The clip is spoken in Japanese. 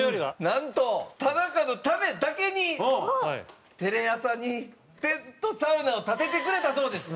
なんと田中のためだけにテレ朝にテントサウナを立ててくれたそうです。